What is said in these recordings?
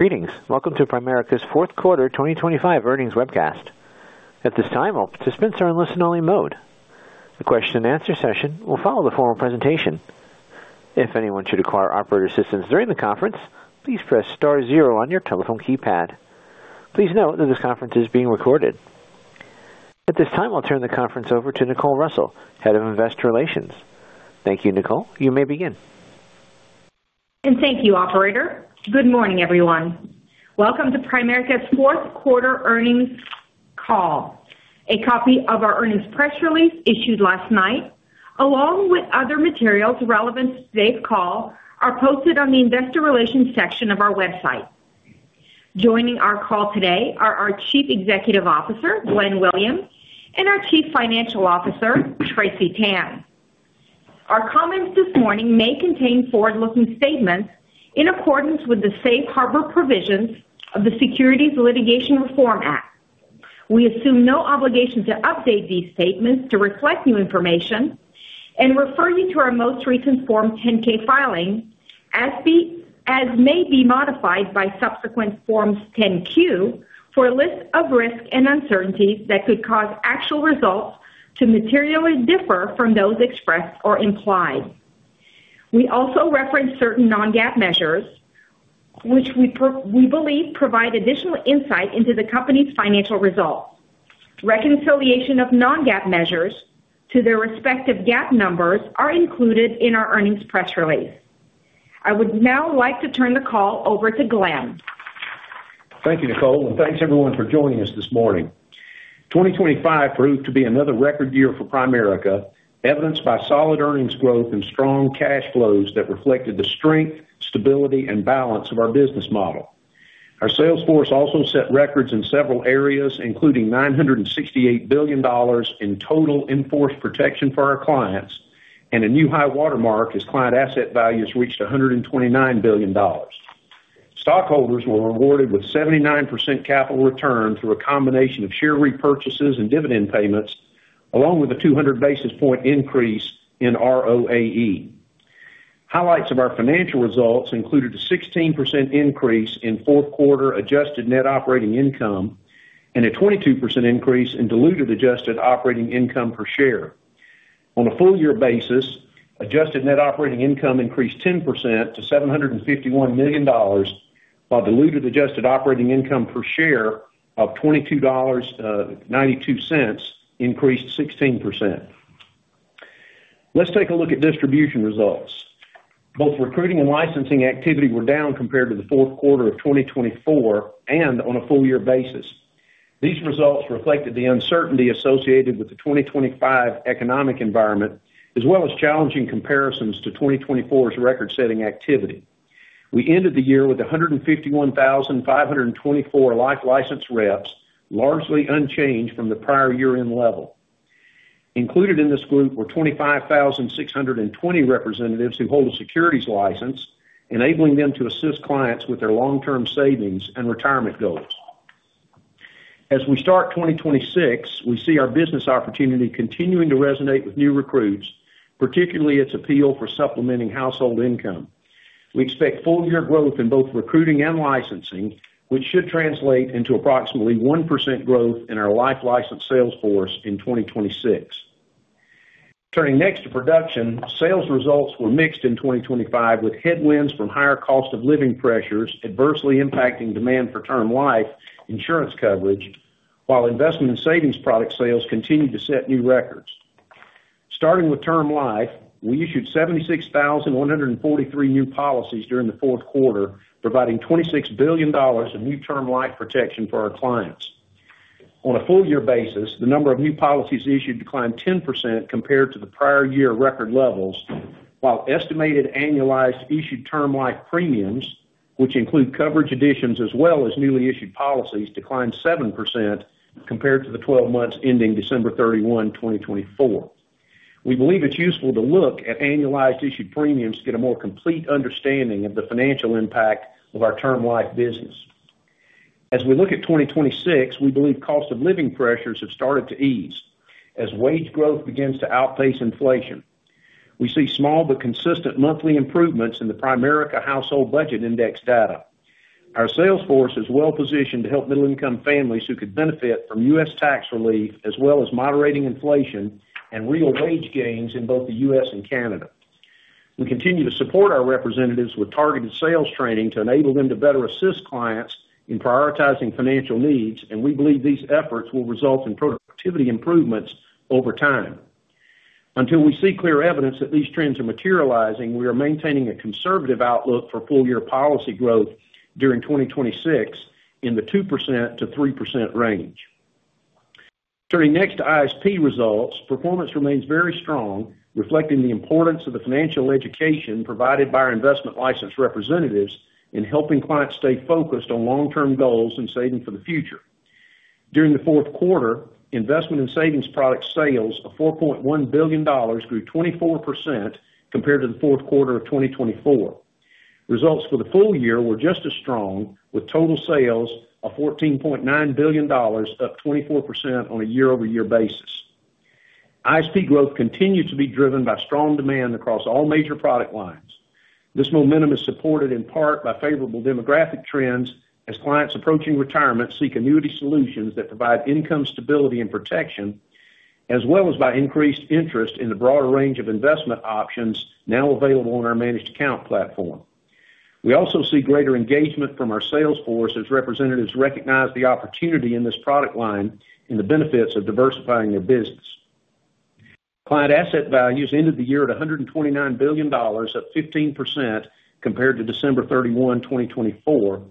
Greetings. Welcome to Primerica's fourth quarter 2025 earnings webcast. At this time, all participants are in listen-only mode. The question and answer session will follow the formal presentation. If anyone should require operator assistance during the conference, please press star zero on your telephone keypad. Please note that this conference is being recorded. At this time, I'll turn the conference over to Nicole Russell, head of Investor Relations. Thank you, Nicole. You may begin. Thank you, operator. Good morning, everyone. Welcome to Primerica's fourth quarter earnings call. A copy of our earnings press release, issued last night, along with other materials relevant to today's call, are posted on the investor relations section of our website. Joining our call today are our Chief Executive Officer, Glenn Williams, and our Chief Financial Officer, Tracy Tan. Our comments this morning may contain forward-looking statements in accordance with the safe harbor provisions of the Securities Litigation Reform Act. We assume no obligation to update these statements to reflect new information and refer you to our most recent Form 10-K filing, as may be modified by subsequent Forms 10-Q, for a list of risks and uncertainties that could cause actual results to materially differ from those expressed or implied. We also reference certain non-GAAP measures, which we believe provide additional insight into the company's financial results. Reconciliation of non-GAAP measures to their respective GAAP numbers are included in our earnings press release. I would now like to turn the call over to Glenn. Thank you, Nicole, and thanks, everyone, for joining us this morning. 2025 proved to be another record year for Primerica, evidenced by solid earnings growth and strong cash flows that reflected the strength, stability, and balance of our business model. Our sales force also set records in several areas, including $968 billion in total in-force protection for our clients and a new high watermark as client asset values reached $129 billion. Stockholders were rewarded with 79% capital return through a combination of share repurchases and dividend payments, along with a 200 basis point increase in ROAE. Highlights of our financial results included a 16% increase in fourth quarter adjusted net operating income and a 22% increase in diluted adjusted operating income per share. On a full year basis, adjusted net operating income increased 10% to $751 million, while diluted adjusted operating income per share of $22.92 increased 16%. Let's take a look at distribution results. Both recruiting and licensing activity were down compared to the fourth quarter of 2024 and on a full year basis. These results reflected the uncertainty associated with the 2025 economic environment, as well as challenging comparisons to 2024's record-setting activity. We ended the year with 151,524 life licensed reps, largely unchanged from the prior year-end level. Included in this group were 25,620 representatives who hold a securities license, enabling them to assist clients with their long-term savings and retirement goals. As we start 2026, we see our business opportunity continuing to resonate with new recruits, particularly its appeal for supplementing household income. We expect full year growth in both recruiting and licensing, which should translate into approximately 1% growth in our life license sales force in 2026. Turning next to production, sales results were mixed in 2025, with headwinds from higher cost of living pressures adversely impacting demand for term life insurance coverage, while investment and savings product sales continued to set new records. Starting with term life, we issued 76,143 new policies during the fourth quarter, providing $26 billion of new term life protection for our clients. On a full year basis, the number of new policies issued declined 10% compared to the prior year record levels, while estimated annualized issued term life premiums, which include coverage additions as well as newly issued policies, declined 7% compared to the 12 months ending December 31, 2024. We believe it's useful to look at annualized issued premiums to get a more complete understanding of the financial impact of our term life business. As we look at 2026, we believe cost of living pressures have started to ease as wage growth begins to outpace inflation. We see small but consistent monthly improvements in the Primerica Household Budget Index data. Our sales force is well positioned to help middle income families who could benefit from U.S. tax relief, as well as moderating inflation and real wage gains in both the U.S. and Canada. We continue to support our representatives with targeted sales training to enable them to better assist clients in prioritizing financial needs, and we believe these efforts will result in productivity improvements over time. Until we see clear evidence that these trends are materializing, we are maintaining a conservative outlook for full year policy growth during 2026 in the 2%-3% range. Turning next to ISP results, performance remains very strong, reflecting the importance of the financial education provided by our investment licensed representatives in helping clients stay focused on long-term goals and saving for the future. During the fourth quarter, investment and savings product sales of $4.1 billion grew 24% compared to the fourth quarter of 2024. Results for the full year were just as strong, with total sales of $14.9 billion, up 24% on a year-over-year basis. ISP growth continued to be driven by strong demand across all major product lines. This momentum is supported in part by favorable demographic trends, as clients approaching retirement seek annuity solutions that provide income stability and protection, as well as by increased interest in the broader range of investment options now available on our managed account platform. We also see greater engagement from our sales force as representatives recognize the opportunity in this product line and the benefits of diversifying their business. Client asset values ended the year at $129 billion, up 15% compared to December 31, 2024,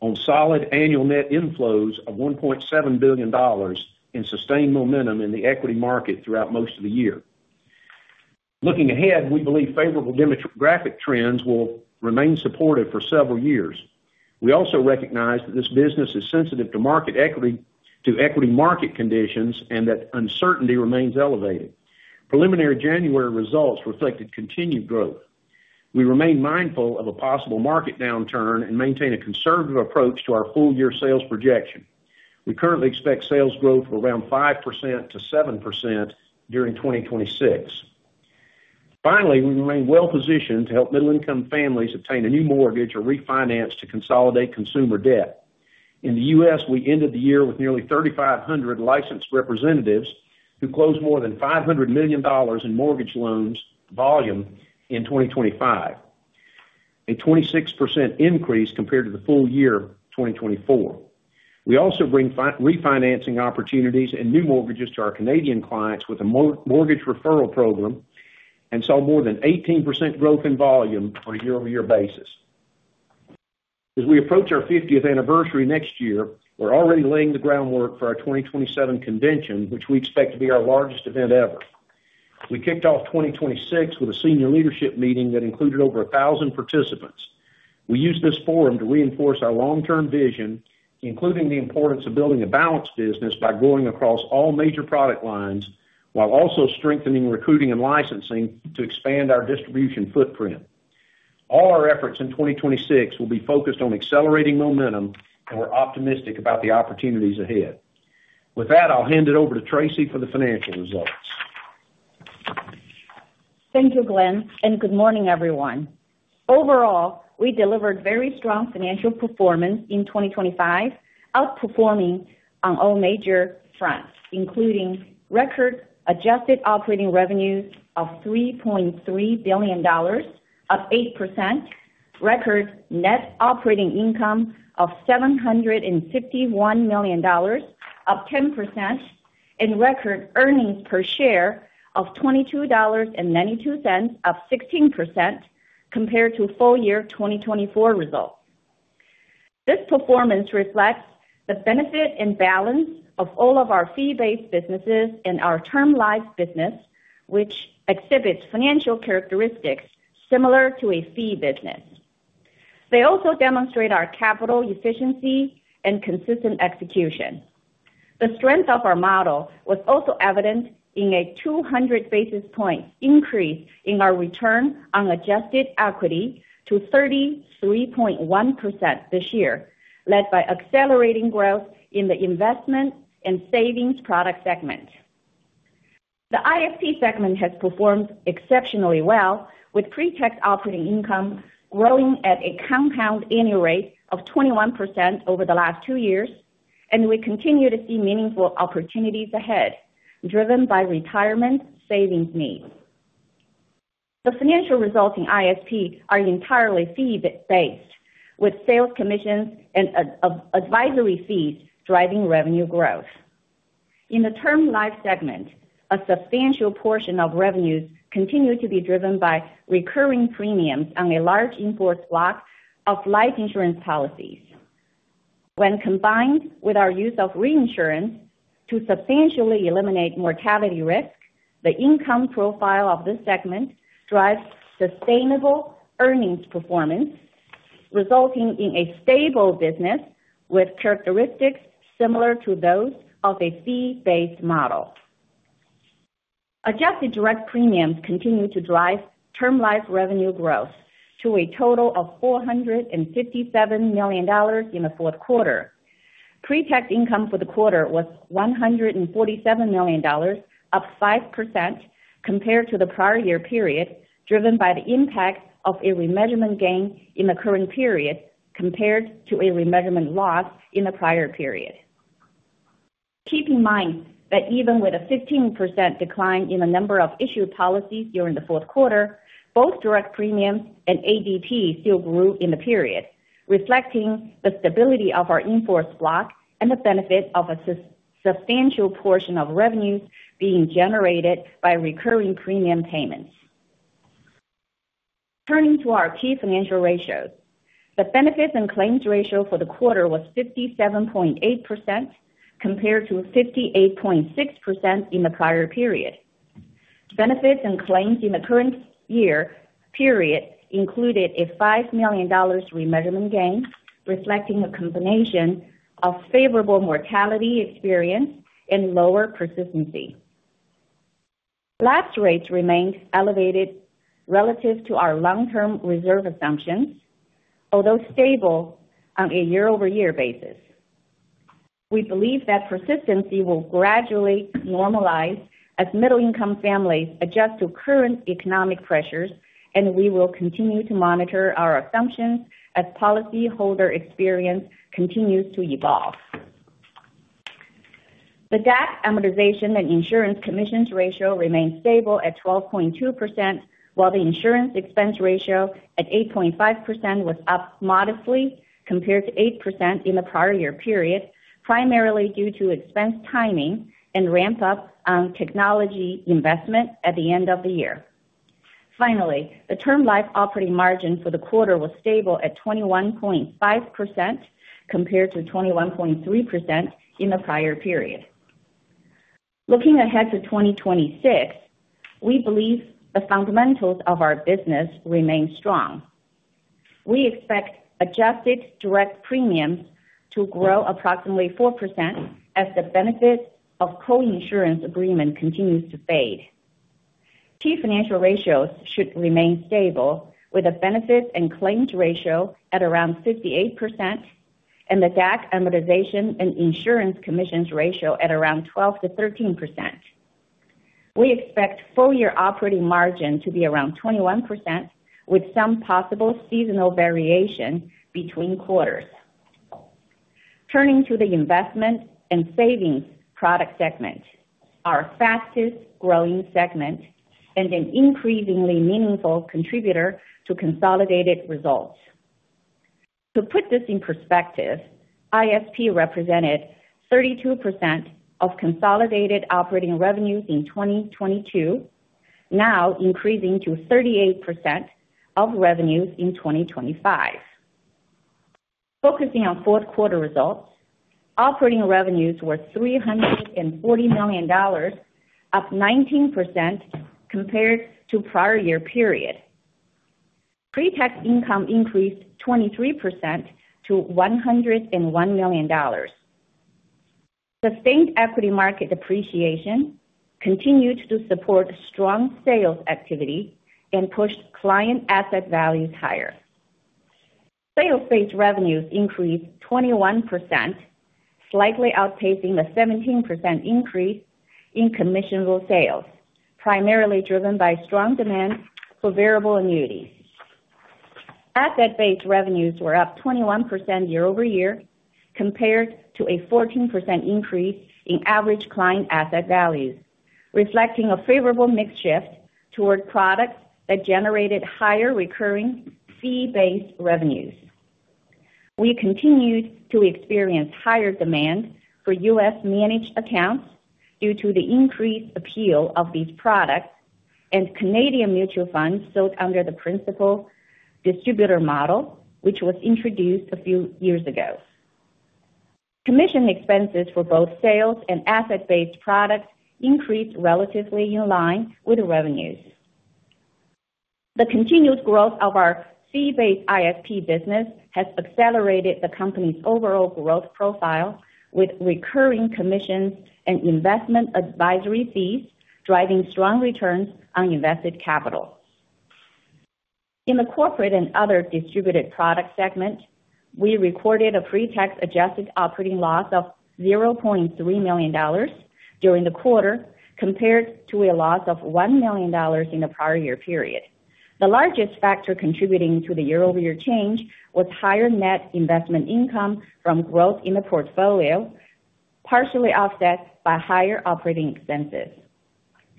on solid annual net inflows of $1.7 billion in sustained momentum in the equity market throughout most of the year. Looking ahead, we believe favorable demographic trends will remain supportive for several years. We also recognize that this business is sensitive to market equity, to equity market conditions and that uncertainty remains elevated. Preliminary January results reflected continued growth. We remain mindful of a possible market downturn and maintain a conservative approach to our full year sales projection. We currently expect sales growth of around 5%-7% during 2026. Finally, we remain well positioned to help middle-income families obtain a new mortgage or refinance to consolidate consumer debt. In the U.S., we ended the year with nearly 3,500 licensed representatives who closed more than $500 million in mortgage loans volume in 2025, a 26% increase compared to the full year of 2024. We also bring refinancing opportunities and new mortgages to our Canadian clients with a mortgage referral program, and saw more than 18% growth in volume on a year-over-year basis. As we approach our 50th anniversary next year, we're already laying the groundwork for our 2027 convention, which we expect to be our largest event ever. We kicked off 2026 with a senior leadership meeting that included over 1,000 participants. We used this forum to reinforce our long-term vision, including the importance of building a balanced business by growing across all major product lines, while also strengthening recruiting and licensing to expand our distribution footprint. All our efforts in 2026 will be focused on accelerating momentum, and we're optimistic about the opportunities ahead. With that, I'll hand it over to Tracy for the financial results. Thank you, Glenn, and good morning, everyone. Overall, we delivered very strong financial performance in 2025, outperforming on all major fronts, including record adjusted operating revenues of $3.3 billion, up 8%, record net operating income of $761 million, up 10%, and record earnings per share of $22.92, up 16% compared to full year 2024 results. This performance reflects the benefit and balance of all of our fee-based businesses and our term life business, which exhibits financial characteristics similar to a fee business. They also demonstrate our capital efficiency and consistent execution. The strength of our model was also evident in a 200 basis point increase in our return on adjusted equity to 33.1% this year, led by accelerating growth in the investment and savings product segment. The ISP segment has performed exceptionally well, with pre-tax operating income growing at a compound annual rate of 21% over the last two years, and we continue to see meaningful opportunities ahead, driven by retirement savings needs. The financial results in ISP are entirely fee-based, with sales commissions and advisory fees driving revenue growth. In the term life segment, a substantial portion of revenues continue to be driven by recurring premiums on a large in-force block of life insurance policies. When combined with our use of reinsurance to substantially eliminate mortality risk, the income profile of this segment drives sustainable earnings performance, resulting in a stable business with characteristics similar to those of a fee-based model. Adjusted direct premiums continue to drive term life revenue growth to a total of $457 million in the fourth quarter. Pre-tax income for the quarter was $147 million, up 5% compared to the prior year period, driven by the impact of a remeasurement gain in the current period compared to a remeasurement loss in the prior period. Keep in mind that even with a 15% decline in the number of issued policies during the fourth quarter, both direct premiums and ADP still grew in the period, reflecting the stability of our in-force block and the benefit of a substantial portion of revenues being generated by recurring premium payments. Turning to our key financial ratios. The benefits and claims ratio for the quarter was 57.8%, compared to 58.6% in the prior period. Benefits and claims in the current year period included a $5 million remeasurement gain, reflecting a combination of favorable mortality experience and lower persistency. Lapse rates remained elevated relative to our long-term reserve assumptions, although stable on a year-over-year basis. We believe that persistency will gradually normalize as middle income families adjust to current economic pressures, and we will continue to monitor our assumptions as policyholder experience continues to evolve. The DAC, amortization, and insurance commissions ratio remained stable at 12.2%, while the insurance expense ratio at 8.5% was up modestly compared to 8% in the prior year period, primarily due to expense timing and ramp up on technology investment at the end of the year. Finally, the term life operating margin for the quarter was stable at 21.5%, compared to 21.3% in the prior period. Looking ahead to 2026, we believe the fundamentals of our business remain strong. We expect adjusted direct premiums to grow approximately 4% as the benefit of co-insurance agreement continues to fade. Key financial ratios should remain stable, with a benefit and claims ratio at around 58% and the DAC, amortization and insurance commissions ratio at around 12%-13%. We expect full year operating margin to be around 21%, with some possible seasonal variation between quarters. Turning to the investment and savings product segment, our fastest growing segment, and an increasingly meaningful contributor to consolidated results. To put this in perspective, ISP represented 32% of consolidated operating revenues in 2022, now increasing to 38% of revenues in 2025. Focusing on fourth quarter results, operating revenues were $340 million, up 19% compared to prior year period. Pre-tax income increased 23% to $101 million. Sustained equity market appreciation continued to support strong sales activity and pushed client asset values higher. Sales-based revenues increased 21%, slightly outpacing the 17% increase in commissionable sales, primarily driven by strong demand for variable annuities. Asset-based revenues were up 21% year-over-year, compared to a 14% increase in average client asset values, reflecting a favorable mix shift toward products that generated higher recurring fee-based revenues. We continued to experience higher demand for U.S. managed accounts due to the increased appeal of these products, and Canadian mutual funds sold under the principal distributor model, which was introduced a few years ago. Commission expenses for both sales and asset-based products increased relatively in line with revenues. The continued growth of our fee-based ISP business has accelerated the company's overall growth profile, with recurring commissions and investment advisory fees driving strong returns on invested capital. In the corporate and other distributed product segment, we recorded a pre-tax adjusted operating loss of $0.3 million during the quarter, compared to a loss of $1 million in the prior year period. The largest factor contributing to the year-over-year change was higher net investment income from growth in the portfolio, partially offset by higher operating expenses.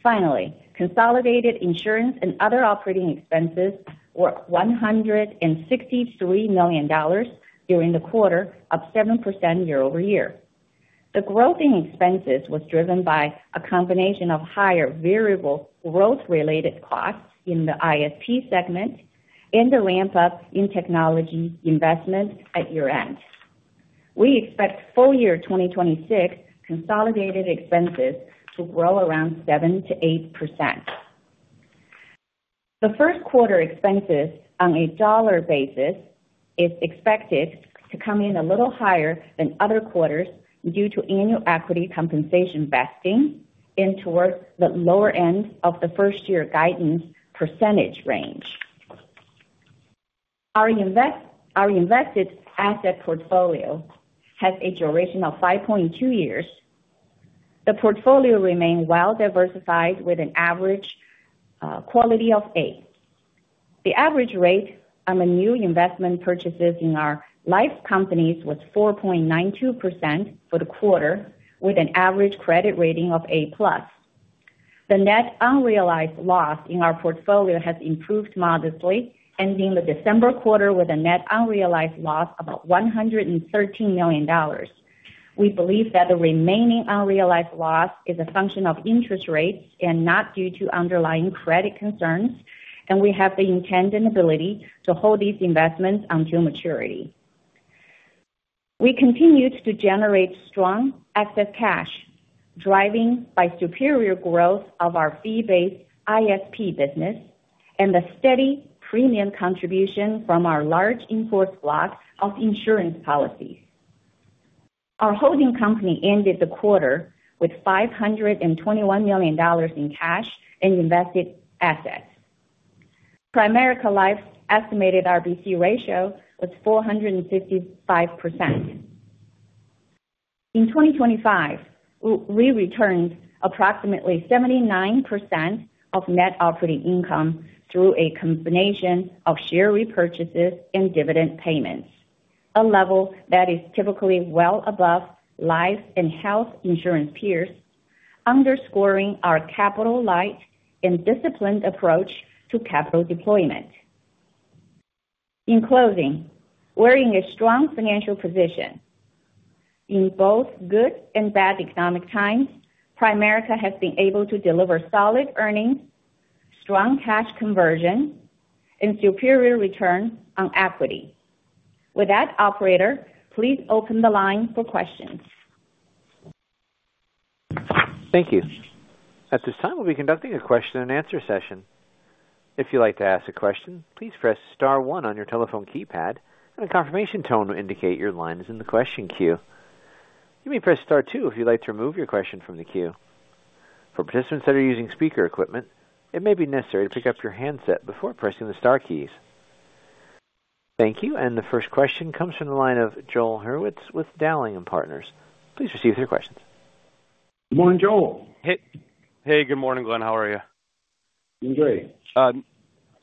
Finally, consolidated insurance and other operating expenses were $163 million during the quarter, up 7% year-over-year. The growth in expenses was driven by a combination of higher variable growth-related costs in the ISP segment and the ramp up in technology investment at year-end. We expect full year 2026 consolidated expenses to grow around 7%-8%. The first quarter expenses on a dollar basis is expected to come in a little higher than other quarters due to annual equity compensation vesting and towards the lower end of the first year guidance percentage range. Our invested asset portfolio has a duration of 5.2 years. The portfolio remained well diversified with an average quality of A. The average rate on the new investment purchases in our life companies was 4.92% for the quarter, with an average credit rating of A+. The net unrealized loss in our portfolio has improved modestly, ending the December quarter with a net unrealized loss of $113 million. We believe that the remaining unrealized loss is a function of interest rates and not due to underlying credit concerns, and we have the intent and ability to hold these investments until maturity. We continued to generate strong excess cash, driving by superior growth of our fee-based ISP business and the steady premium contribution from our large in-force block of insurance policies.... Our holding company ended the quarter with $521 million in cash and invested assets. Primerica Life's estimated RBC ratio was 455%. In 2025, we returned approximately 79% of net operating income through a combination of share repurchases and dividend payments, a level that is typically well above life and health insurance peers, underscoring our capital-light and disciplined approach to capital deployment. In closing, we're in a strong financial position. In both good and bad economic times, Primerica has been able to deliver solid earnings, strong cash conversion, and superior return on equity. With that, operator, please open the line for questions. Thank you. At this time, we'll be conducting a question-and-answer session. If you'd like to ask a question, please press star one on your telephone keypad, and a confirmation tone will indicate your line is in the question queue. You may press star two if you'd like to remove your question from the queue. For participants that are using speaker equipment, it may be necessary to pick up your handset before pressing the star keys. Thank you. The first question comes from the line of Joel Hurwitz with Dowling & Partners. Please proceed with your questions. Good morning, Joel. Hey. Hey, good morning, Glenn. How are you? I'm great.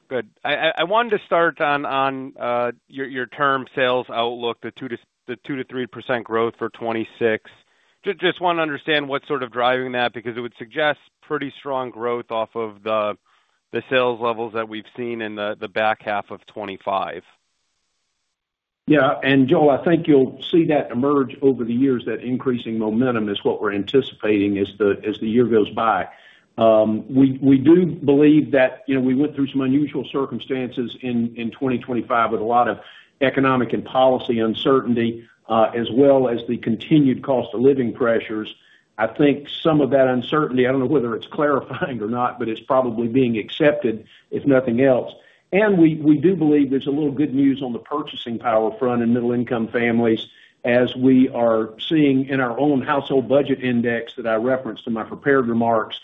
Good. I wanted to start on your term sales outlook, the 2%-3% growth for 2026. Just want to understand what's sort of driving that, because it would suggest pretty strong growth off of the sales levels that we've seen in the back half of 2025. Yeah, and Joel, I think you'll see that emerge over the years, that increasing momentum is what we're anticipating as the, as the year goes by. We do believe that, you know, we went through some unusual circumstances in 2025, with a lot of economic and policy uncertainty, as well as the continued cost of living pressures. I think some of that uncertainty, I don't know whether it's clarifying or not, but it's probably being accepted, if nothing else. And we do believe there's a little good news on the purchasing power front in middle-income families, as we are seeing in our own Household Budget Index that I referenced in my prepared remarks.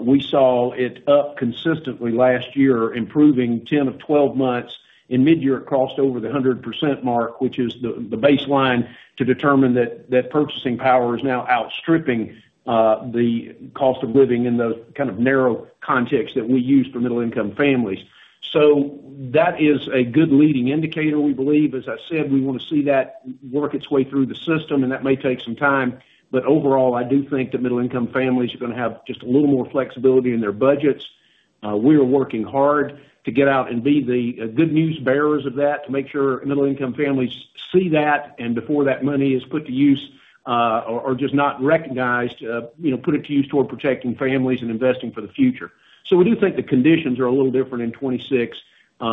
We saw it up consistently last year, improving 10 of 12 months. In midyear, it crossed over the 100% mark, which is the baseline to determine that purchasing power is now outstripping the cost of living in the kind of narrow context that we use for middle-income families. So that is a good leading indicator, we believe. As I said, we want to see that work its way through the system, and that may take some time, but overall, I do think that middle-income families are going to have just a little more flexibility in their budgets. We are working hard to get out and be the good news bearers of that, to make sure middle-income families see that, and before that money is put to use, or just not recognized, you know, put it to use toward protecting families and investing for the future. So we do think the conditions are a little different in 2026, you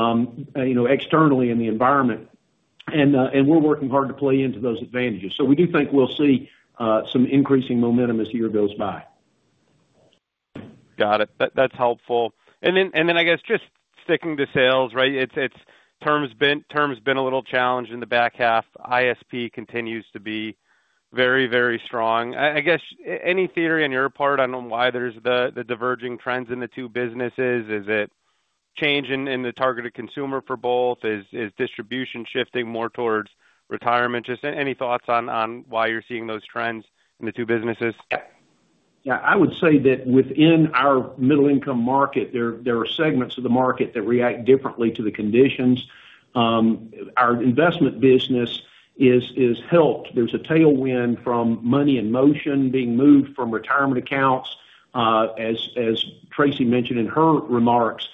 know, externally in the environment. And we're working hard to play into those advantages. So we do think we'll see some increasing momentum as the year goes by. Got it. That's helpful. And then I guess just sticking to sales, right? It's term's been a little challenged in the back half. ISP continues to be very, very strong. I guess any theory on your part on why there's the diverging trends in the two businesses? Is it change in the targeted consumer for both? Is distribution shifting more towards retirement? Just any thoughts on why you're seeing those trends in the two businesses? Yeah, I would say that within our middle-income market, there are segments of the market that react differently to the conditions. Our investment business is helped. There's a tailwind from money in motion being moved from retirement accounts, as Tracy mentioned in her remarks,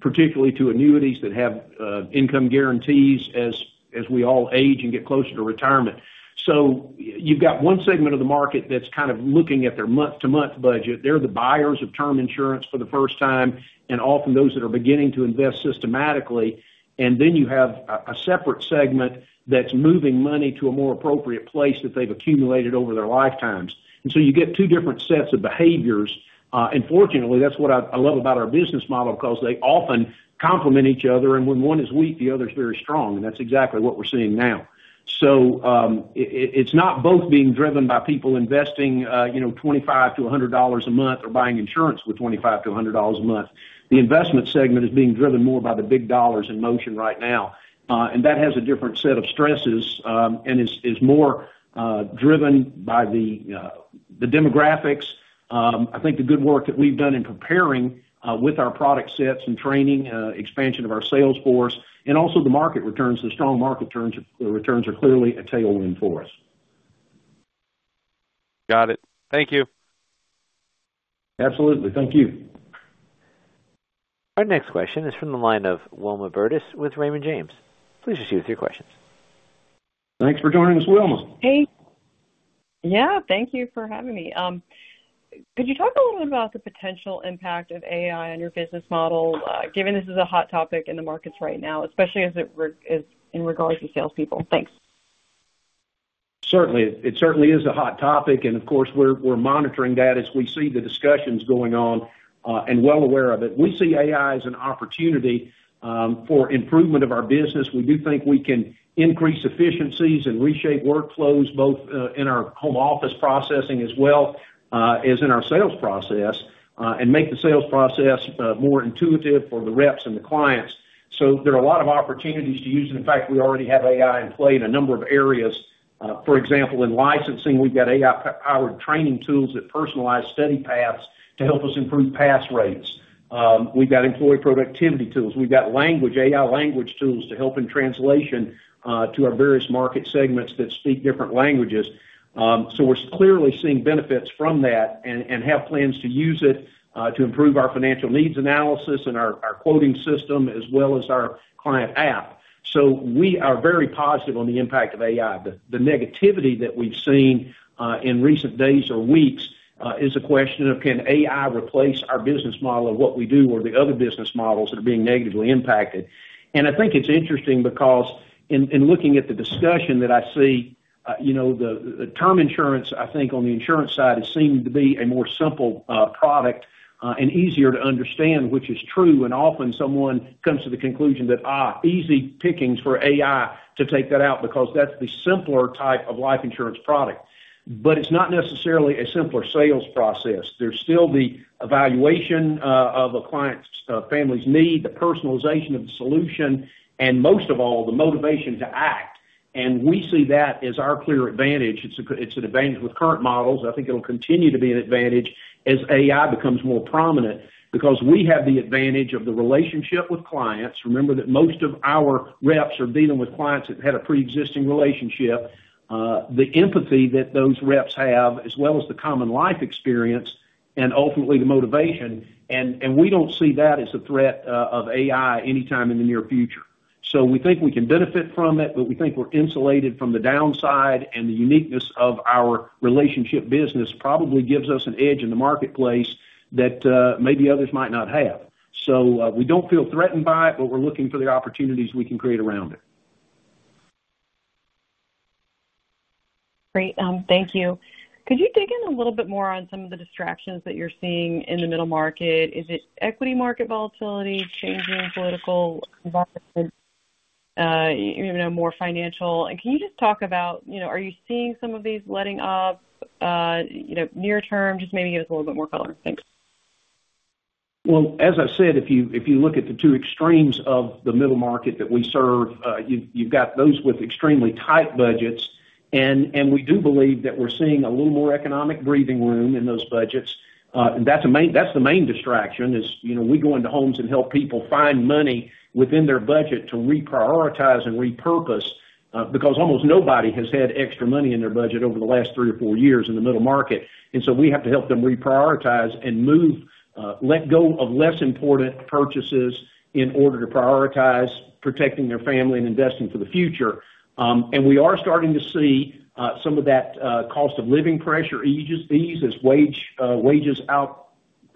particularly to annuities that have income guarantees as we all age and get closer to retirement. So you've got one segment of the market that's kind of looking at their month-to-month budget. They're the buyers of term insurance for the first time, and often those that are beginning to invest systematically. And then you have a separate segment that's moving money to a more appropriate place that they've accumulated over their lifetimes. And so you get two different sets of behaviors. And fortunately, that's what I love about our business model, because they often complement each other, and when one is weak, the other is very strong, and that's exactly what we're seeing now. So, it's not both being driven by people investing, you know, $25-$100 a month or buying insurance with $25-$100 a month. The investment segment is being driven more by the big dollars in motion right now, and that has a different set of stresses, and is more driven by the demographics. I think the good work that we've done in comparing with our product sets and training, expansion of our sales force, and also the market returns, the strong market returns are clearly a tailwind for us. Got it. Thank you. Absolutely. Thank you. Our next question is from the line of Wilma Burdis with Raymond James. Please proceed with your questions. Thanks for joining us, Wilma. Hey. Yeah, thank you for having me. Could you talk a little bit about the potential impact of AI on your business model, given this is a hot topic in the markets right now, especially as in regards to salespeople? Thanks. ...Certainly, it certainly is a hot topic, and of course, we're monitoring that as we see the discussions going on, and well aware of it. We see AI as an opportunity for improvement of our business. We do think we can increase efficiencies and reshape workflows, both in our home office processing as well as in our sales process, and make the sales process more intuitive for the reps and the clients. So there are a lot of opportunities to use, and in fact, we already have AI in play in a number of areas. For example, in licensing, we've got AI-powered training tools that personalize study paths to help us improve pass rates. We've got employee productivity tools. We've got AI language tools to help in translation to our various market segments that speak different languages. So we're clearly seeing benefits from that and have plans to use it to improve our financial needs analysis and our quoting system, as well as our client app. So we are very positive on the impact of AI. The negativity that we've seen in recent days or weeks is a question of, can AI replace our business model of what we do or the other business models that are being negatively impacted? I think it's interesting because in looking at the discussion that I see, you know, the term insurance, I think on the insurance side, is seeming to be a more simple product and easier to understand, which is true. And often someone comes to the conclusion that easy pickings for AI to take that out, because that's the simpler type of life insurance product. But it's not necessarily a simpler sales process. There's still the evaluation of a client's family's need, the personalization of the solution, and most of all, the motivation to act. And we see that as our clear advantage. It's an advantage with current models. I think it'll continue to be an advantage as AI becomes more prominent, because we have the advantage of the relationship with clients. Remember that most of our reps are dealing with clients that had a pre-existing relationship, the empathy that those reps have, as well as the common life experience and ultimately the motivation. And we don't see that as a threat of AI anytime in the near future. So we think we can benefit from it, but we think we're insulated from the downside, and the uniqueness of our relationship business probably gives us an edge in the marketplace that, maybe others might not have. So, we don't feel threatened by it, but we're looking for the opportunities we can create around it. Great. Thank you. Could you dig in a little bit more on some of the distractions that you're seeing in the middle market? Is it equity market volatility, changing political environment, you know, more financial? And can you just talk about, you know, are you seeing some of these letting up, you know, near term? Just maybe give us a little bit more color. Thanks. Well, as I said, if you look at the two extremes of the middle market that we serve, you've got those with extremely tight budgets. And we do believe that we're seeing a little more economic breathing room in those budgets. That's the main distraction, you know, we go into homes and help people find money within their budget to reprioritize and repurpose, because almost nobody has had extra money in their budget over the last three or four years in the middle market. And so we have to help them reprioritize and move, let go of less important purchases in order to prioritize protecting their family and investing for the future. And we are starting to see some of that cost of living pressure ease as wages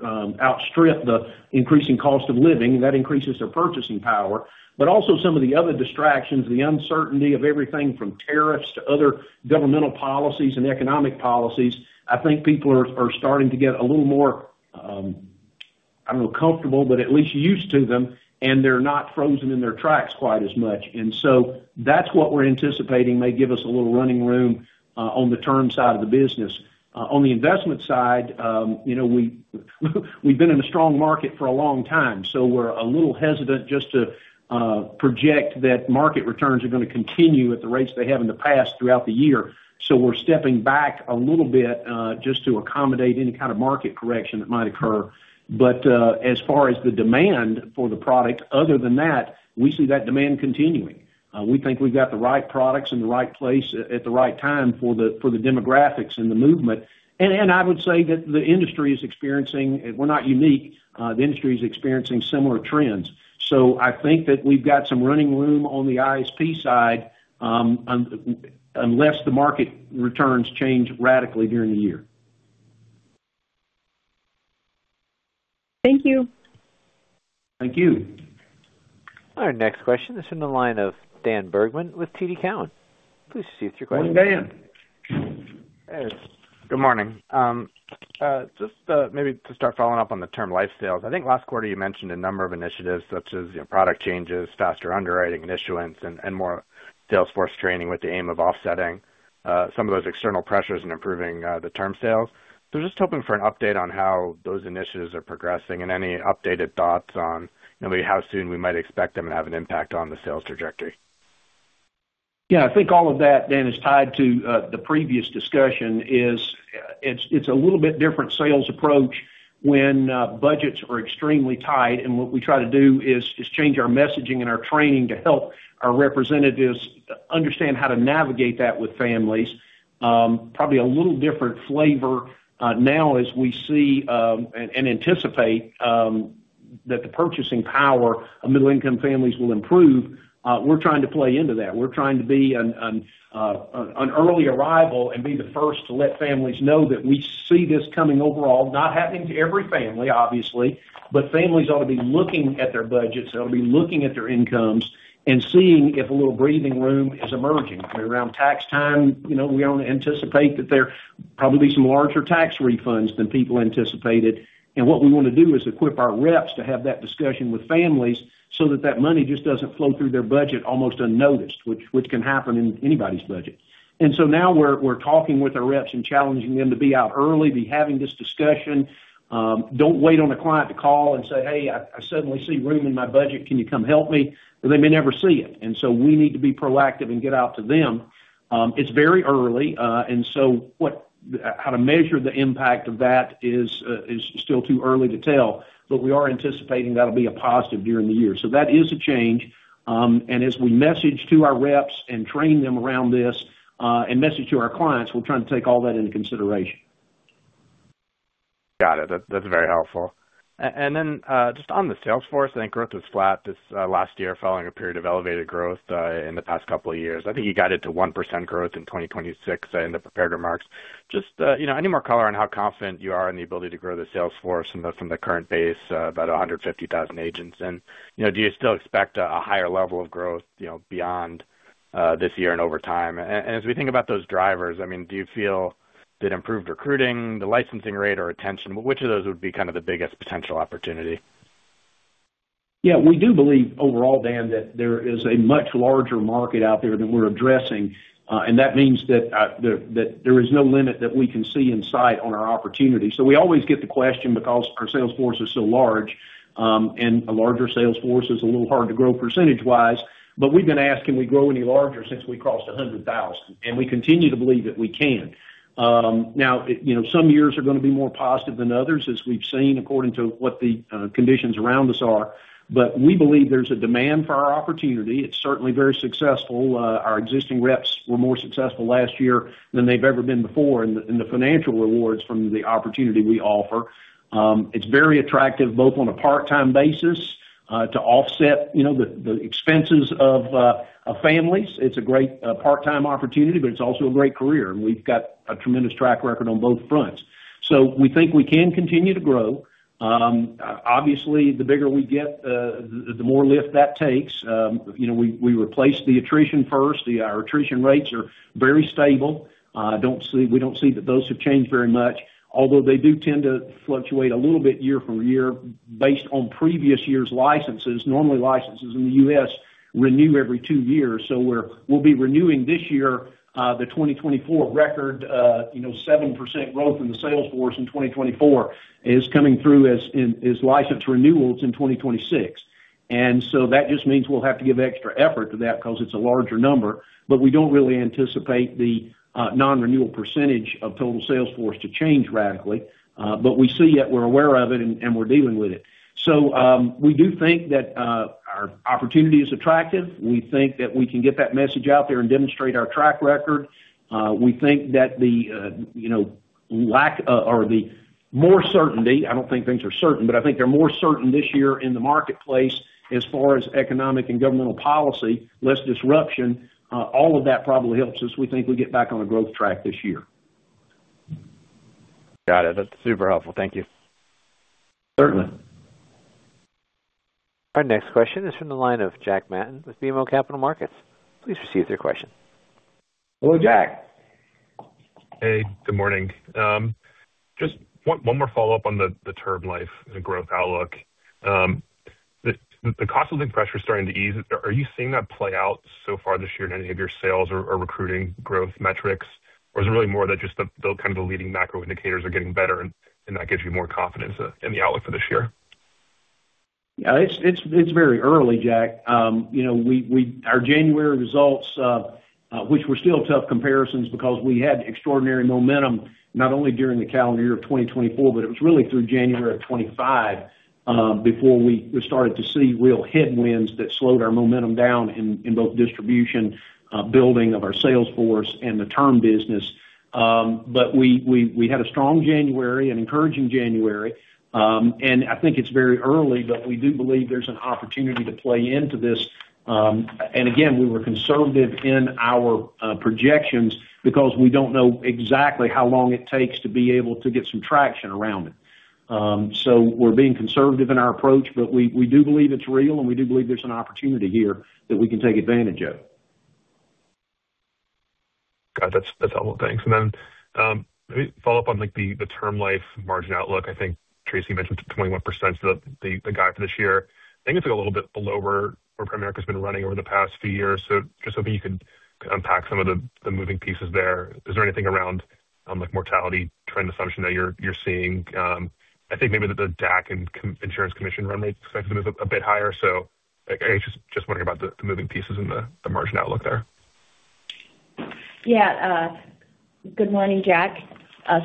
outstrip the increasing cost of living, and that increases their purchasing power. But also some of the other distractions, the uncertainty of everything from tariffs to other governmental policies and economic policies, I think people are starting to get a little more, I don't know, comfortable, but at least used to them, and they're not frozen in their tracks quite as much. And so that's what we're anticipating may give us a little running room on the term side of the business. On the investment side, you know, we've been in a strong market for a long time, so we're a little hesitant just to project that market returns are going to continue at the rates they have in the past throughout the year. So we're stepping back a little bit, just to accommodate any kind of market correction that might occur. But as far as the demand for the product, other than that, we see that demand continuing. We think we've got the right products in the right place at the right time for the demographics and the movement. And I would say that the industry is experiencing... We're not unique. The industry is experiencing similar trends. So I think that we've got some running room on the ISP side, unless the market returns change radically during the year. Thank you. Thank you. Our next question is in the line of Dan Bergman with TD Cowen. Please state your question. Morning, Dan. Hey, good morning. Just maybe to start following up on the term life sales. I think last quarter you mentioned a number of initiatives such as, you know, product changes, faster underwriting and issuance, and more sales force training with the aim of offsetting some of those external pressures and improving the term sales. So just hoping for an update on how those initiatives are progressing and any updated thoughts on maybe how soon we might expect them to have an impact on the sales trajectory. Yeah, I think all of that, Dan, is tied to the previous discussion. It's a little bit different sales approach when budgets are extremely tight. And what we try to do is change our messaging and our training to help our representatives understand how to navigate that with families. Probably a little different flavor now, as we see and anticipate that the purchasing power of middle-income families will improve. We're trying to play into that. We're trying to be an early arrival and be the first to let families know that we see this coming overall. Not happening to every family, obviously, but families ought to be looking at their budgets. They'll be looking at their incomes and seeing if a little breathing room is emerging. Around tax time, you know, we only anticipate that there probably be some larger tax refunds than people anticipated. And what we want to do is equip our reps to have that discussion with families so that that money just doesn't flow through their budget almost unnoticed, which can happen in anybody's budget. And so now we're talking with our reps and challenging them to be out early, be having this discussion. Don't wait on a client to call and say, "Hey, I suddenly see room in my budget. Can you come help me?" They may never see it, and so we need to be proactive and get out to them. It's very early, and so how to measure the impact of that is still too early to tell, but we are anticipating that'll be a positive during the year. So that is a change. And as we message to our reps and train them around this, and message to our clients, we're trying to take all that into consideration. Got it. That, that's very helpful. And, and then, just on the sales force, I think growth was flat this, last year, following a period of elevated growth, in the past couple of years. I think you got it to 1% growth in 2026 in the prepared remarks. Just, you know, any more color on how confident you are in the ability to grow the sales force from the, from the current base, about 150,000 agents? And, you know, do you still expect a, a higher level of growth, you know, beyond, this year and over time? And as we think about those drivers, I mean, do you feel that improved recruiting, the licensing rate, or retention, which of those would be kind of the biggest potential opportunity? Yeah, we do believe overall, Dan, that there is a much larger market out there than we're addressing, and that means that, that there is no limit that we can see in sight on our opportunity. So we always get the question because our sales force is so large, and a larger sales force is a little hard to grow percentage-wise, but we've been asking, we grow any larger since we crossed 100,000, and we continue to believe that we can. Now, you know, some years are going to be more positive than others, as we've seen, according to what the conditions around us are. But we believe there's a demand for our opportunity. It's certainly very successful. Our existing reps were more successful last year than they've ever been before in the financial rewards from the opportunity we offer. It's very attractive, both on a part-time basis, to offset, you know, the expenses of a family's. It's a great part-time opportunity, but it's also a great career, and we've got a tremendous track record on both fronts. So we think we can continue to grow. Obviously, the bigger we get, the more lift that takes. You know, we replace the attrition first. Our attrition rates are very stable. I don't see - we don't see that those have changed very much, although they do tend to fluctuate a little bit year from year based on previous year's licenses. Normally, licenses in the U.S. renew every two years, so we'll be renewing this year, the 2024 record, you know, 7% growth in the sales force in 2024 is coming through as license renewals in 2026. And so that just means we'll have to give extra effort to that because it's a larger number, but we don't really anticipate the non-renewal percentage of total sales force to change radically. But we see it, we're aware of it, and we're dealing with it. So, we do think that our opportunity is attractive. We think that we can get that message out there and demonstrate our track record. We think that the, you know, lack or the more certainty. I don't think things are certain, but I think they're more certain this year in the marketplace as far as economic and governmental policy, less disruption, all of that probably helps us. We think we get back on a growth track this year. Got it. That's super helpful. Thank you. Certainly. Our next question is from the line of Jack Matten with BMO Capital Markets. Please proceed with your question. Hello, Jack. Hey, good morning. Just one more follow-up on the term life, the growth outlook. The cost of living pressure is starting to ease. Are you seeing that play out so far this year in any of your sales or recruiting growth metrics? Or is it really more that just the kind of the leading macro indicators are getting better, and that gives you more confidence in the outlook for this year? Yeah, it's very early, Jack. You know, our January results, which were still tough comparisons because we had extraordinary momentum, not only during the calendar year of 2024, but it was really through January of 2025, before we started to see real headwinds that slowed our momentum down in both distribution, building of our sales force and the term business. But we had a strong January, an encouraging January, and I think it's very early, but we do believe there's an opportunity to play into this. And again, we were conservative in our projections because we don't know exactly how long it takes to be able to get some traction around it. So, we're being conservative in our approach, but we do believe it's real, and we do believe there's an opportunity here that we can take advantage of. Got it. That's helpful. Thanks. And then, let me follow up on, like, the term life margin outlook. I think Tracy mentioned 21%, the guide for this year. I think it's a little bit below where Primerica has been running over the past few years. So just hoping you could unpack some of the moving pieces there. Is there anything around, like, mortality trend assumption that you're seeing? I think maybe that the DAC and insurance commission run rate expected is a bit higher. So I just wondering about the moving pieces and the margin outlook there. Yeah, good morning, Jack.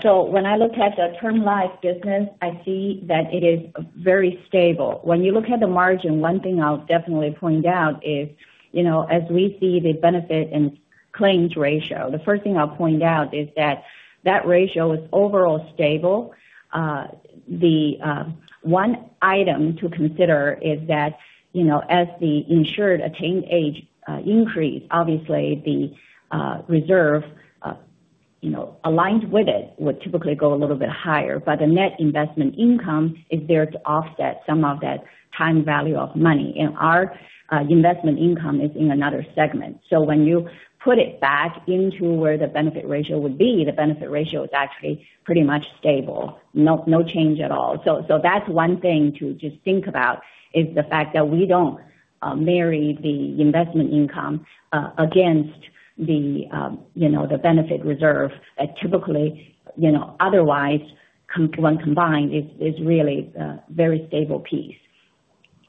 So when I look at the term life business, I see that it is very stable. When you look at the margin, one thing I'll definitely point out is, you know, as we see the benefit and claims ratio, the first thing I'll point out is that that ratio is overall stable. One item to consider is that, you know, as the insured attain age, increase, obviously the reserve, you know, aligned with it, would typically go a little bit higher, but the net investment income is there to offset some of that time value of money, and our investment income is in another segment. So when you put it back into where the benefit ratio would be, the benefit ratio is actually pretty much stable. No, no change at all. So that's one thing to just think about, is the fact that we don't marry the investment income against the you know the benefit reserve that typically you know otherwise when combined is really a very stable piece.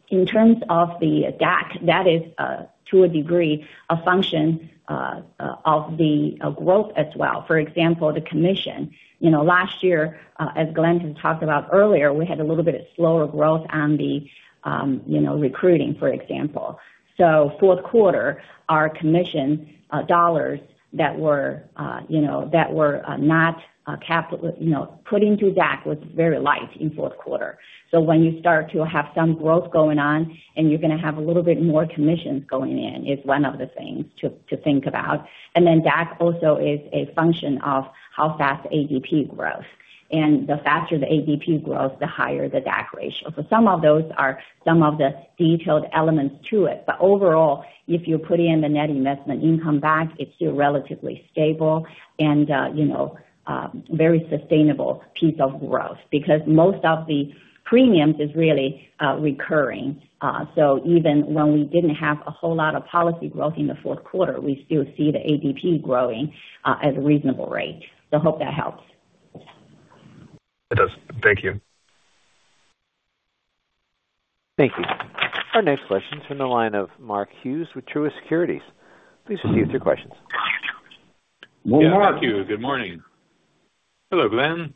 In terms of the DAC, that is to a degree a function of the growth as well. For example, the commission. You know, last year as Glenn has talked about earlier, we had a little bit of slower growth on the you know recruiting, for example. So fourth quarter, our commission dollars that were you know not capitalized you know put into DAC was very light in fourth quarter. So when you start to have some growth going on and you're going to have a little bit more commissions going in, is one of the things to, to think about. And then DAC also is a function of how fast ADP grows, and the faster the ADP grows, the higher the DAC ratio. So some of those are some of the detailed elements to it. But overall, if you put in the net investment income back, it's still relatively stable and, you know, very sustainable piece of growth because most of the premiums is really, recurring. So even when we didn't have a whole lot of policy growth in the fourth quarter, we still see the ADP growing, at a reasonable rate. So hope that helps. It does. Thank you. Thank you. Our next question is from the line of Mark Hughes with Truist Securities. Please proceed with your questions. Yeah, thank you. Good morning. Hello, Glenn.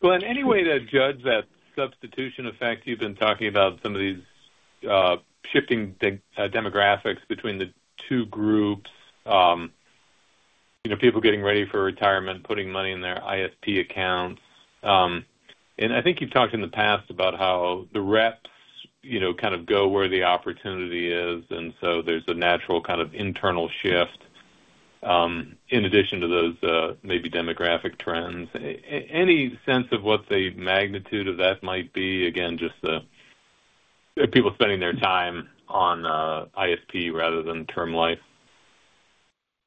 Well, any way to judge that substitution effect you've been talking about, some of these, shifting demographics between the two groups? You know, people getting ready for retirement, putting money in their ISP accounts. And I think you've talked in the past about how the reps, you know, kind of go where the opportunity is, and so there's a natural kind of internal shift, in addition to those, maybe demographic trends. Any sense of what the magnitude of that might be? Again, just the people spending their time on, ISP rather than Term Life.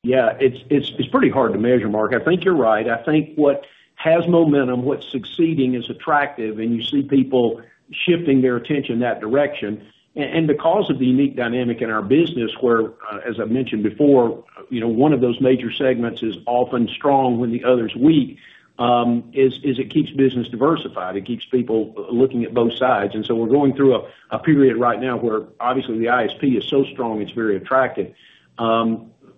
Yeah, it's pretty hard to measure, Mark. I think you're right. I think what has momentum, what's succeeding, is attractive, and you see people shifting their attention in that direction. And because of the unique dynamic in our business, where, as I mentioned before, you know, one of those major segments is often strong when the other is weak, it keeps business diversified. It keeps people looking at both sides. And so we're going through a period right now where obviously the ISP is so strong, it's very attractive.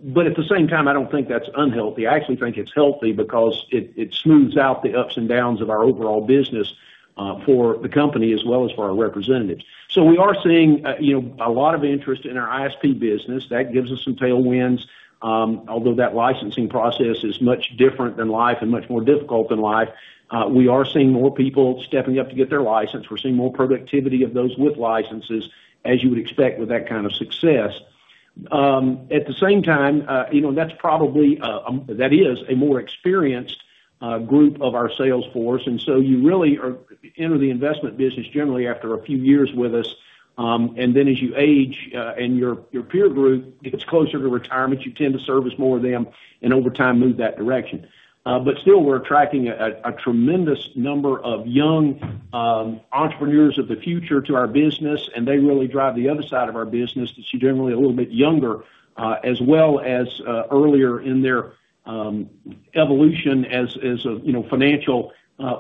But at the same time, I don't think that's unhealthy. I actually think it's healthy because it smooths out the ups and downs of our overall business, for the company as well as for our representatives. So we are seeing, you know, a lot of interest in our ISP business. That gives us some tailwinds, although that licensing process is much different than life and much more difficult than life, we are seeing more people stepping up to get their license. We're seeing more productivity of those with licenses, as you would expect with that kind of success. At the same time, you know, that's probably, that is a more experienced group of our sales force, and so you really enter the investment business generally after a few years with us. And then as you age, and your peer group gets closer to retirement, you tend to service more of them and over time, move that direction. But still, we're attracting a tremendous number of young entrepreneurs of the future to our business, and they really drive the other side of our business to see generally a little bit younger, as well as earlier in their evolution as, you know, a financial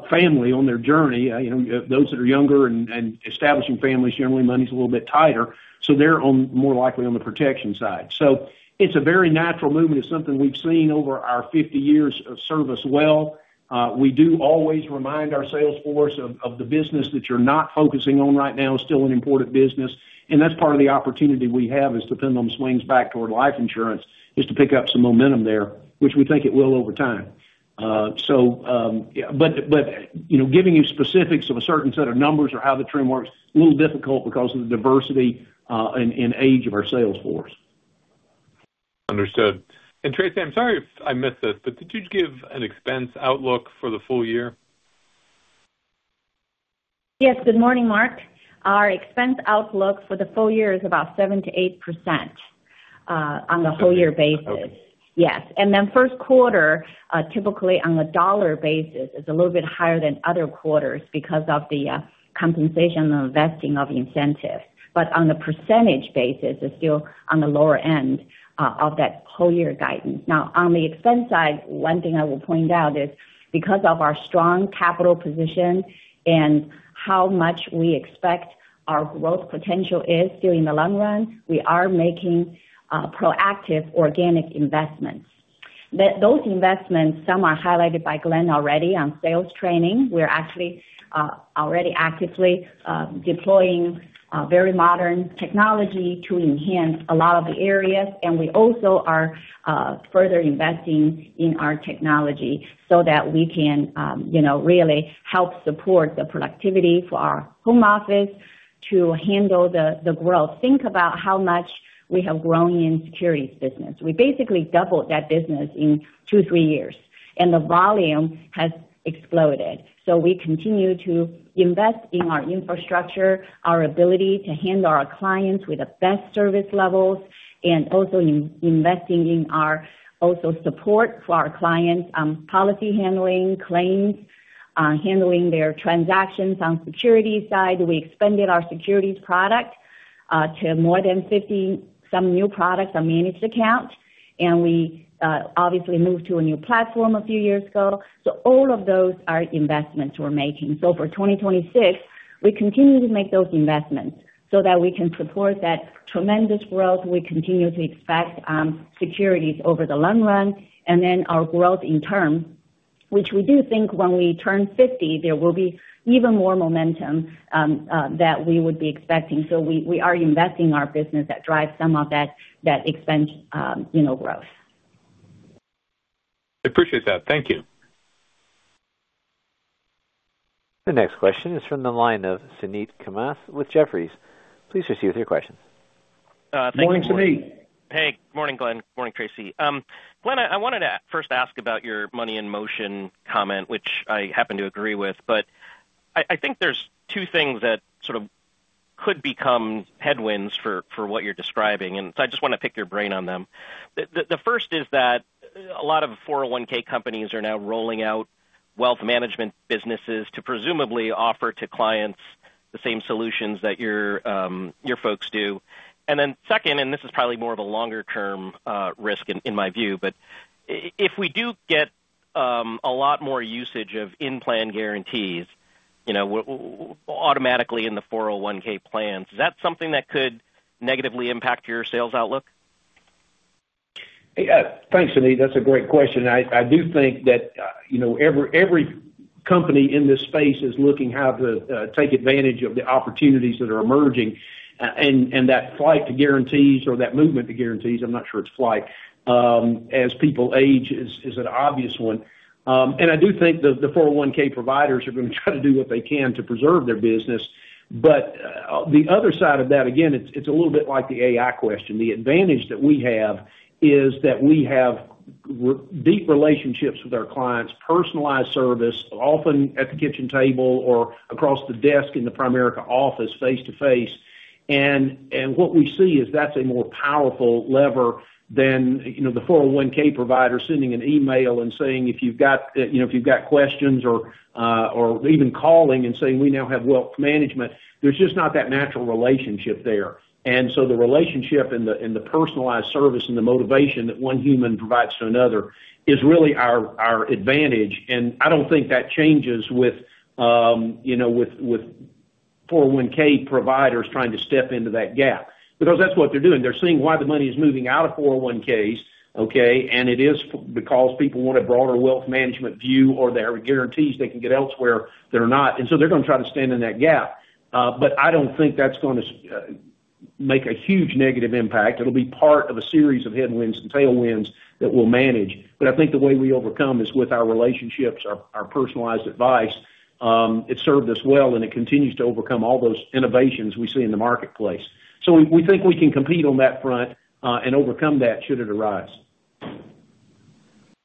family on their journey. You know, those that are younger and establishing families, generally, money's a little bit tighter, so they're more likely on the protection side. So it's a very natural movement. It's something we've seen over our 50 years of service well. We do always remind our sales force of the business that you're not focusing on right now is still an important business, and that's part of the opportunity we have as the pendulum swings back toward life insurance, is to pick up some momentum there, which we think it will over time. So, but, you know, giving you specifics of a certain set of numbers or how the trend works, a little difficult because of the diversity, and age of our sales force. Understood. And Tracy, I'm sorry if I missed this, but did you give an expense outlook for the full year? Yes, good morning, Mark. Our expense outlook for the full year is about 7%-8%, on the whole year basis. Yes. Then first quarter, typically on a dollar basis, is a little bit higher than other quarters because of the compensation and vesting of incentives. But on a percentage basis, it's still on the lower end of that whole year guidance. Now, on the expense side, one thing I will point out is, because of our strong capital position and how much we expect our growth potential is during the long run, we are making proactive organic investments. Those investments, some are highlighted by Glenn already on sales training. We're actually already actively deploying very modern technology to enhance a lot of the areas, and we also are further investing in our technology so that we can you know really help support the productivity for our home office to handle the growth. Think about how much we have grown in securities business. We basically doubled that business in two to three years, and the volume has exploded. So we continue to invest in our infrastructure, our ability to handle our clients with the best service levels, and also in investing in our also support for our clients, policy handling, claims, handling their transactions. On securities side, we expanded our securities product to more than 50-some new products on managed accounts, and we obviously moved to a new platform a few years ago. So all of those are investments we're making. So for 2026, we continue to make those investments so that we can support that tremendous growth. We continue to expect securities over the long run and then our growth in term, which we do think when we turn 50, there will be even more momentum that we would be expecting. So we are investing in our business that drives some of that expense, you know, growth. I appreciate that. Thank you. The next question is from the line of Suneet Kamath with Jefferies. Please proceed with your question. Thank you. Morning, Suneet. Hey, morning, Glenn. Morning, Tracy. Glenn, I wanted to first ask about your money in motion comment, which I happen to agree with, but I think there's two things that sort of could become headwinds for what you're describing, and so I just want to pick your brain on them. The first is that a lot of 401(k) companies are now rolling out wealth management businesses to presumably offer to clients the same solutions that your folks do. And then second, and this is probably more of a longer term risk in my view, but if we do get a lot more usage of in-plan guarantees, you know, automatically in the 401(k) plans, is that something that could negatively impact your sales outlook? Yeah. Thanks, Suneet. That's a great question. I do think that, you know, every company in this space is looking how to take advantage of the opportunities that are emerging, and that flight to guarantees or that movement to guarantees, I'm not sure it's flight, as people age is an obvious one. And I do think that the 401(k) providers are going to try to do what they can to preserve their business. But the other side of that, again, it's a little bit like the AI question. The advantage that we have is that we have deep relationships with our clients, personalized service, often at the kitchen table or across the desk in the Primerica office, face-to-face. And what we see is that's a more powerful lever than, you know, the 401(k) provider sending an email and saying, "If you've got, you know, if you've got questions," or, or even calling and saying, "We now have wealth management." There's just not that natural relationship there. And so the relationship and the, and the personalized service and the motivation that one human provides to another is really our, our advantage, and I don't think that changes with, you know, with, with 401(k) providers trying to step into that gap. Because that's what they're doing. They're seeing why the money is moving out of 401(k)s, okay, and it is because people want a broader wealth management view or there are guarantees they can get elsewhere that are not. And so they're going to try to stand in that gap. But I don't think that's going to make a huge negative impact. It'll be part of a series of headwinds and tailwinds that we'll manage. But I think the way we overcome is with our relationships, our personalized advice. It served us well, and it continues to overcome all those innovations we see in the marketplace. So we think we can compete on that front, and overcome that should it arise.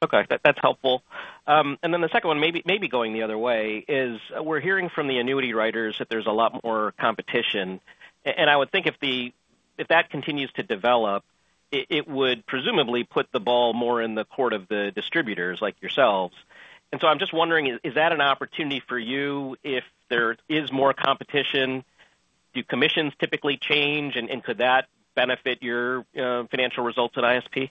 Okay, that, that's helpful. And then the second one, maybe going the other way, is we're hearing from the annuity writers that there's a lot more competition. And I would think if that continues to develop, it would presumably put the ball more in the court of the distributors like yourselves. And so I'm just wondering, is that an opportunity for you if there is more competition? Do commissions typically change, and could that benefit your financial results at ISP?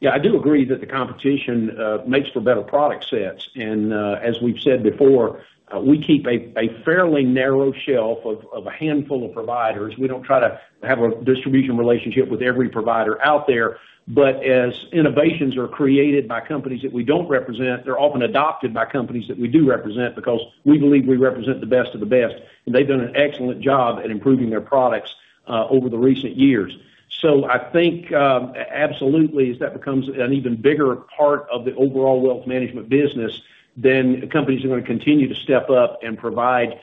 Yeah, I do agree that the competition makes for better product sets. And as we've said before, we keep a fairly narrow shelf of a handful of providers. We don't try to have a distribution relationship with every provider out there. But as innovations are created by companies that we don't represent, they're often adopted by companies that we do represent, because we believe we represent the best of the best, and they've done an excellent job at improving their products over the recent years. So I think absolutely, as that becomes an even bigger part of the overall wealth management business, then companies are going to continue to step up and provide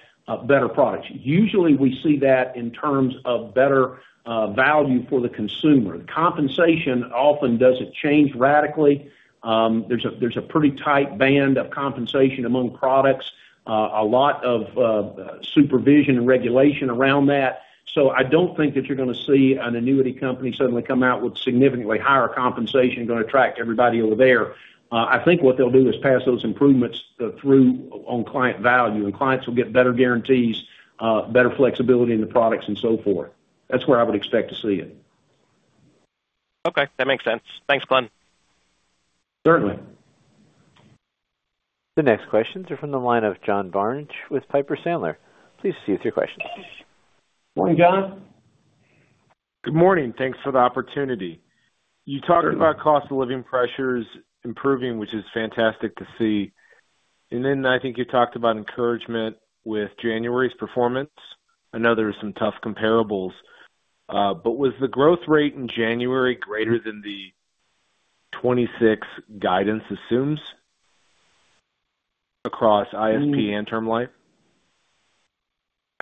better products. Usually, we see that in terms of better value for the consumer. The compensation often doesn't change radically. There's a pretty tight band of compensation among products, a lot of supervision and regulation around that. So I don't think that you're going to see an annuity company suddenly come out with significantly higher compensation, going to attract everybody over there. I think what they'll do is pass those improvements through on client value, and clients will get better guarantees, better flexibility in the products, and so forth. That's where I would expect to see it. Okay, that makes sense. Thanks, Glenn. Certainly. The next questions are from the line of John Barnidge with Piper Sandler. Please proceed with your questions. Morning, John. Good morning. Thanks for the opportunity. You talked about cost of living pressures improving, which is fantastic to see. Then I think you talked about encouragement with January's performance. I know there are some tough comparables, but was the growth rate in January greater than 26 guidance assumes across ISP and term life?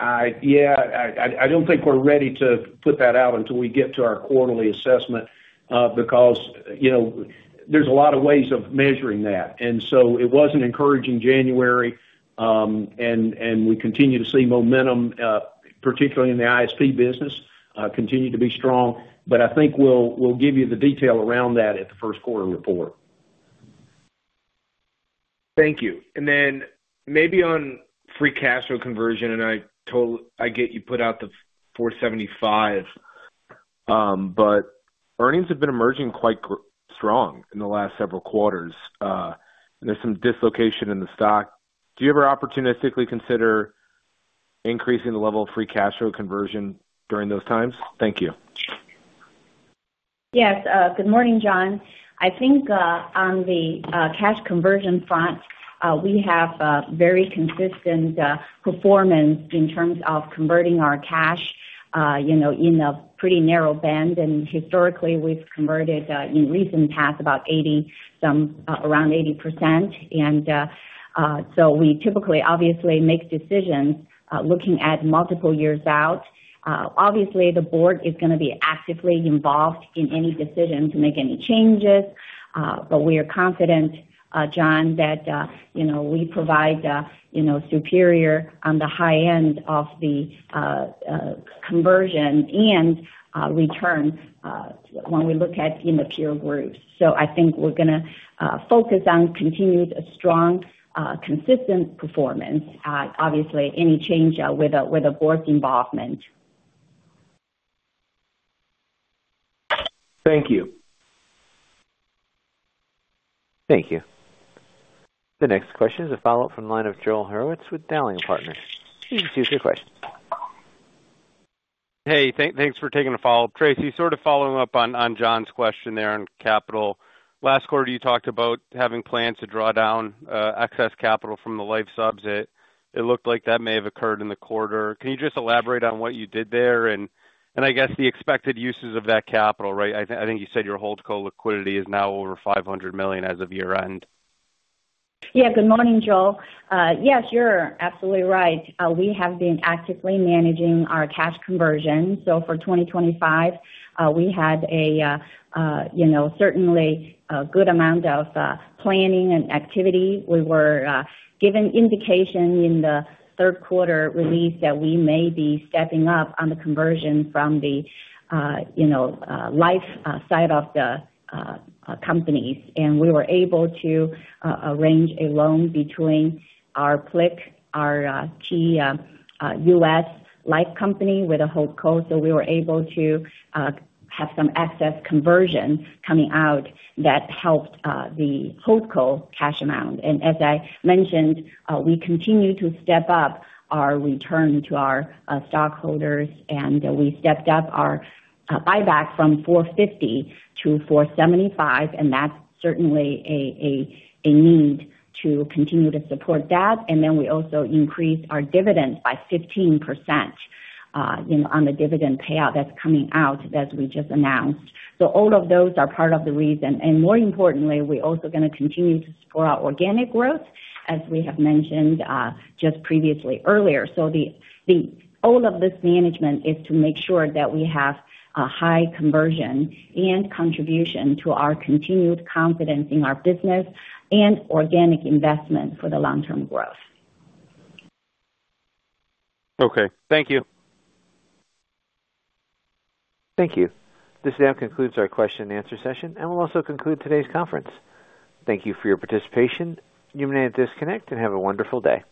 Yeah, I don't think we're ready to put that out until we get to our quarterly assessment, because, you know, there's a lot of ways of measuring that. And so it was an encouraging January, and we continue to see momentum, particularly in the ISP business, continue to be strong. But I think we'll give you the detail around that at the first quarter report. Thank you. And then maybe on free cash flow conversion, and I get you put out the $475, but earnings have been emerging quite strong in the last several quarters. There's some dislocation in the stock. Do you ever opportunistically consider increasing the level of free cash flow conversion during those times? Thank you. Yes. Good morning, John. I think, on the cash conversion front, we have a very consistent performance in terms of converting our cash, you know, in a pretty narrow band. And historically, we've converted, in recent past, about 80-some, around 80%. And, so we typically, obviously, make decisions, looking at multiple years out. Obviously, the board is gonna be actively involved in any decision to make any changes. But we are confident, John, that, you know, we provide, you know, superior on the high end of the conversion and, return, when we look at in the peer groups. So I think we're gonna focus on continued strong, consistent performance. Obviously, any change, with a board involvement. Thank you. Thank you. The next question is a follow-up from the line of Joel Hurwitz with Dowling & Partners. Please proceed with your question. Hey, thanks for taking the follow-up. Tracy, sort of following up on John's question there on capital. Last quarter, you talked about having plans to draw down excess capital from the life subs. It looked like that may have occurred in the quarter. Can you just elaborate on what you did there? And I guess the expected uses of that capital, right? I think you said your HoldCo liquidity is now over $500 million as of year-end. Yeah. Good morning, Joel. Yes, you're absolutely right. We have been actively managing our cash conversion. So for 2025, we had a you know, certainly a good amount of planning and activity. We were given indication in the third quarter release that we may be stepping up on the conversion from the you know, life side of the companies. And we were able to arrange a loan between our PLIC, our key U.S. life company with a HoldCo. So we were able to have some excess conversion coming out that helped the HoldCo cash amount. As I mentioned, we continue to step up our return to our stockholders, and we stepped up our buyback from $450 to $475, and that's certainly a need to continue to support that. And then we also increased our dividend by 15%, you know, on the dividend payout that's coming out, as we just announced. So all of those are part of the reason. And more importantly, we're also gonna continue to support our organic growth, as we have mentioned, just previously, earlier. So all of this management is to make sure that we have a high conversion and contribution to our continued confidence in our business and organic investment for the long-term growth. Okay, thank you. Thank you. This now concludes our question and answer session, and we'll also conclude today's conference. Thank you for your participation. You may disconnect and have a wonderful day.